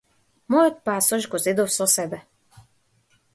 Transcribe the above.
Мојот пасош го зедов со себе.